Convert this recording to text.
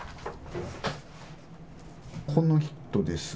この人です。